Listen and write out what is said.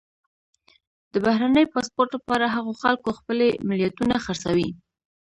د بهرني پاسپورټ لپاره هغو خلکو خپلې ملیتونه خرڅوي.